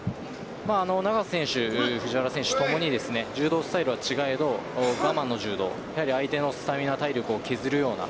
永瀬選手、藤原選手ともに柔道スタイルは違えど我慢の柔道相手のスタミナ、体力を削るような